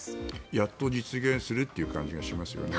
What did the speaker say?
やっと実現するという感じがしますよね。